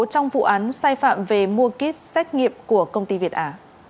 trong vụ án sai phạm về mua kit xét nghiệp của công ty việt ả